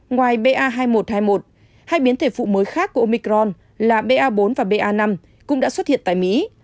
ngoài ba nghìn một trăm hai mươi một hai biến thể phụ mới khác của omicron là ba bốn và ba năm cũng đã xuất hiện tại mỹ